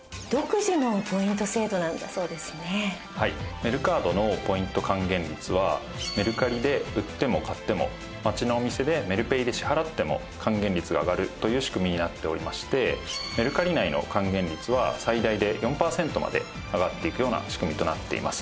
メルカードのポイント還元率はメルカリで売っても買っても街のお店でメルペイで支払っても還元率が上がるという仕組みになっておりましてメルカリ内の還元率は最大で４パーセントまで上がっていくような仕組みとなっています。